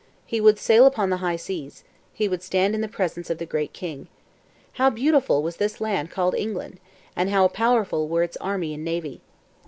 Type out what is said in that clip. He would sail upon the high seas; he would stand in the presence of the Great King. How beautiful was this land called England! and how powerful were its army and navy!